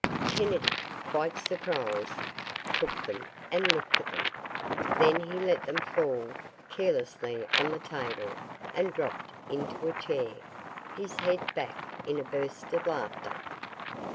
Kennedy, quite surprised, took them and looked at them. Then he let them fall carelessly on the table and dropped into a chair, his head back in a burst of laughter.